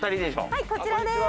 はいこちらです。